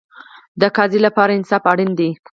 د قاضي لپاره انصاف اړین دی